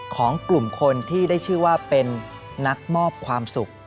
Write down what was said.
ของกลุ่มคนที่ได้ชื่อว่าเป็นนักมอบความสุข